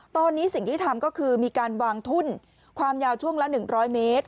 ตอนนี้สิ่งที่ทำก็คือมีการวางทุ่นความยาวช่วงละ๑๐๐เมตร